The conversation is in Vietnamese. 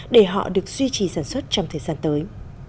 để họ được duy trì sản xuất trong thời gian tới